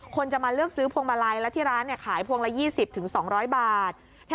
คนจะมาเลือกซื้อพวงมาลัยและที่ร้านขายพวงละ๒๐๒๐๐บาท